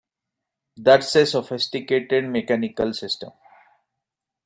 That's a sophisticated mechanical system!